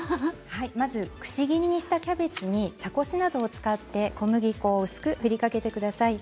まずくし切りにしたキャベツに茶こしなどを使って小麦粉を薄く振りかけてください。